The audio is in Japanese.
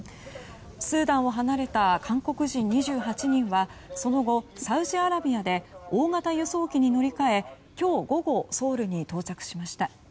スーダンを離れた韓国人２８人はその後、サウジアラビアで大型輸送機に乗り換え今日午後ソウルに到着しました。